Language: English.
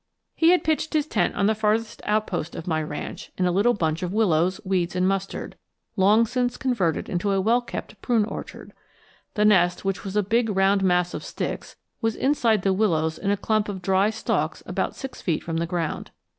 He had pitched his tent on the farthest outpost of my ranch in a little bunch of willows, weeds, and mustard long since converted into a well kept prune orchard. The nest, which was a big round mass of sticks, was inside the willows in a clump of dry stalks about six feet from the ground.